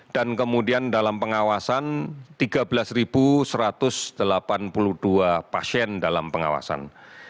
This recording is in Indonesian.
dan kemudian dalam pengawasan tiga belas satu ratus delapan puluh dua pasien dalam pengawasan